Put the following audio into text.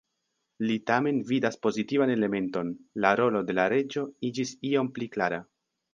Li tamen vidas pozitivan elementon: la rolo de la reĝo iĝis iom pli klara.